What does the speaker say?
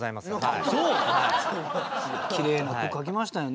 きれいな句書きましたよね。